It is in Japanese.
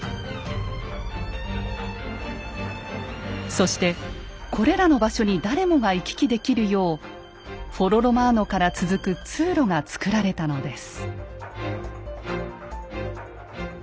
そしてこれらの場所に誰もが行き来できるようフォロ・ロマーノから続く通路が造られたのです。